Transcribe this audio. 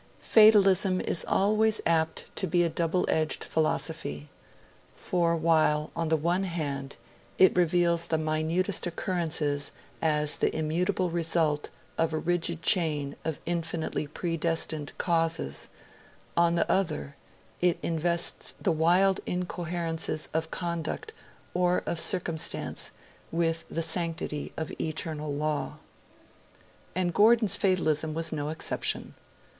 Fatalism is always apt to be a double edged philosophy; for while, on the one hand, it reveals the minutest occurrences as the immutable result of a rigid chain of infinitely predestined causes, on the other, it invests the wildest incoherences of conduct or of circumstance with the sanctity of eternal law. And Gordon's fatalism was no exception.